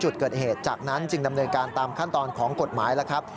จุดเกิดเหตุจากนั้นจึงดำเนินการตามขั้นตอนของกฎหมายแล้วครับ